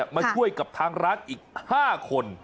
มาช่วยกับทางร้านอีก๕คน